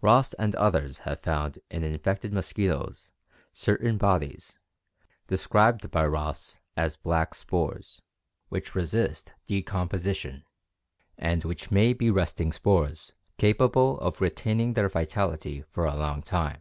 Ross and others have found in infected mosquitoes certain bodies, described by Ross as "black spores," which resist decomposition and which may be resting spores capable of retaining their vitality for a long time.